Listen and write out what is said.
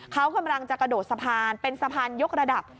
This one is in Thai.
เขากำลังจะกระโดดสะพานเป็นสะพานยกระดับ